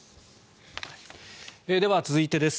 では続いてです。